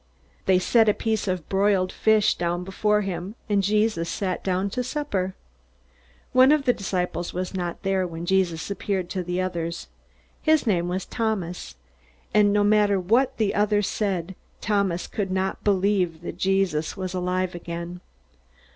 They set a piece of broiled fish before him, and Jesus sat down to supper. One of the disciples was not there when Jesus appeared to the others. His name was Thomas. And no matter what the others said, Thomas could not believe that Jesus was alive again.